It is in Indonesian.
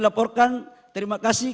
laporkan terima kasih